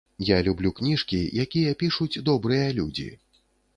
Я люблю кніжкі, якія пішуць добрыя людзі.